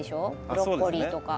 ブロッコリーとか。